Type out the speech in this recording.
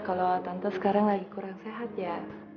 kalau tante sekarang lagi kurang sehat ya